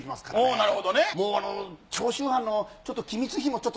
なるほどね。